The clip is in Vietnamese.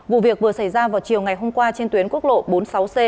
vụ việc vừa xảy ra vào chiều ngày hôm qua trên tuyến quốc lộ bốn mươi sáu c